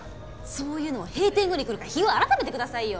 そういうのは閉店後に来るか日を改めてくださいよ。